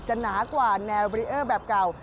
หนากว่าแนวบรีเออร์แบบเก่า